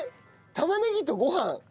玉ねぎとごはん？